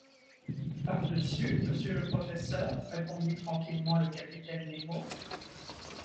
Par-dessus ? monsieur le professeur, répondit tranquillement le capitaine Nemo.